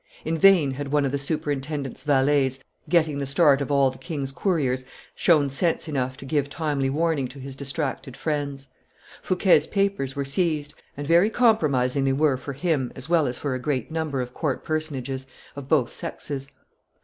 In vain had one of the superintendent's valets, getting the start of all the king's couriers, shown sense enough to give timely warning to his distracted friends; Fouquet's papers were seized, and very compromising they were for him as well as for a great number of court personages, of both sexes.